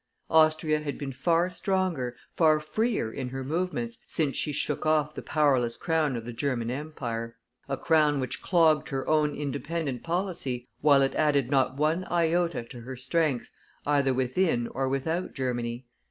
Austria had been far stronger, far freer in her movements, since she shook off the powerless crown of the German Empire a crown which clogged her own independent policy, while it added not one iota to her strength, either within or without Germany.